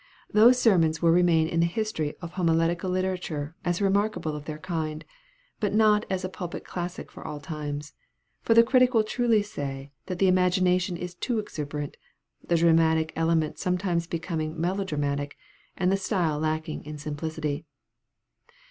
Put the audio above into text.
Those sermons will remain in the history of homiletical literature as remarkable of their kind, but not as a pulpit classic for all times; for the critic will truly say that the imagination is too exuberant, the dramatic element sometimes becoming melodramatic, and the style lacking in simplicity.